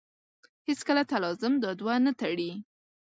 هېڅکله تلازم دا دوه نه تړي.